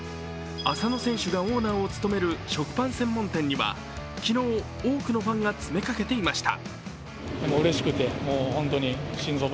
浅野選手がオーナーを務める食パン専門店には、昨日、多くのファンが詰めかけていました。